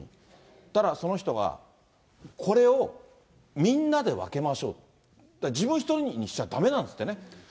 そしたらその人が、これをみんなで分けましょうと、自分１人にしちゃだめなんですってね。